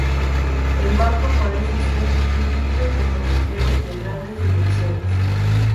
El Barco parece ser un buque de pasajeros de grandes dimensiones"".